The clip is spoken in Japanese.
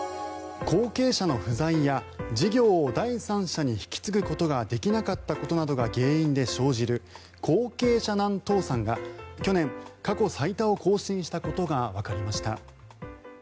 後継者の不在や事業を第三者に引き継ぐことができなかったことなどが原因で生じる後継者難倒産が去年、過去最多を更新したことがわかりました。